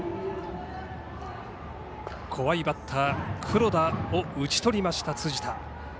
怖いバッター黒田を打ち取りました、辻田。